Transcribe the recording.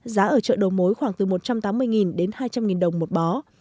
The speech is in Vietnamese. giá ở chợ đầu mối khoảng từ một trăm tám mươi đến hai trăm linh đồng một bó